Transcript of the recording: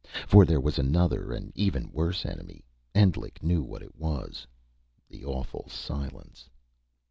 For there was another and even worse enemy. Endlich knew what it was The awful silence.